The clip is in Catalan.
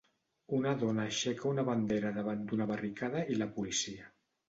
Una dona aixeca una bandera davant d'una barricada i la policia.